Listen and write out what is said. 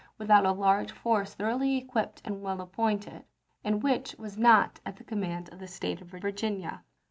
James out a large force thoroughly equipped and well chap. vn. appointed," and which was not at the command of Le<g^r the State of Virginia.